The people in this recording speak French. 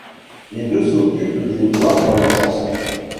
Les deux s'occupent des voix dans leurs chansons.